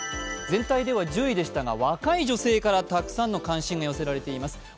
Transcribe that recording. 全体では１０位でしたが、若い女性から高い関心が寄せられています。